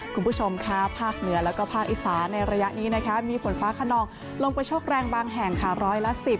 คุณผู้ชมค่ะภาคเหนือและภาคอีสาในระยะนี้มีฝนฟ้าขนอมลงบันชกแรงบางแห่งร้อยละ๑๐